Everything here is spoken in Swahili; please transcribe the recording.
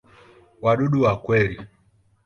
Wadudu wa kweli.